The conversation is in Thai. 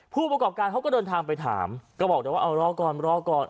ผู้ประกอบการเขาก็เดินทางไปถามก็บอกแต่ว่าเอารอก่อนรอก่อน